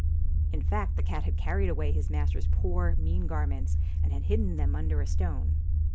In fact the cat had carried away his master's poor, mean garments, and had hidden them under a stone.